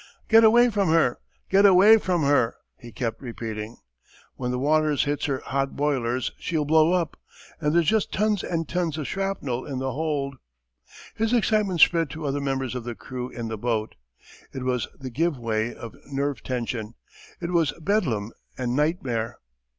"Get away from her, get away from her," he kept repeating. "When the water hits her hot boilers she'll blow up, and there's just tons and tons of shrapnel in the hold." His excitement spread to other members of the crew in the boat. It was the give way of nerve tension. It was bedlam and nightmare.